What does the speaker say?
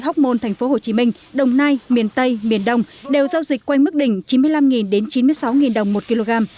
học môn tp hcm đồng nai miền tây miền đông đều giao dịch quanh mức đỉnh chín mươi năm đến chín mươi sáu đồng một kg